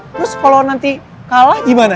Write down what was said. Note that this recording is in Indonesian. terus kalau nanti kalah gimana